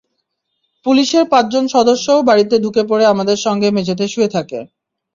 পুলিশের পাঁচজন সদস্যও বাড়িতে ঢুকে পড়ে আমাদের সঙ্গে মেঝেতে শুয়ে থাকে।